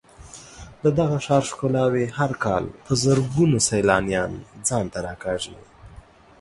د دغه ښار ښکلاوې هر کال په زرګونو سېلانیان ځان ته راکاږي.